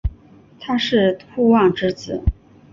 他是杜夫王之子。